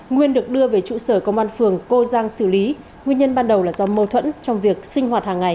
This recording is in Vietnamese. nguyên được đưa về trụ sở công an phường cô giang xử lý nguyên nhân ban đầu là do mâu thuẫn trong việc sinh hoạt hàng ngày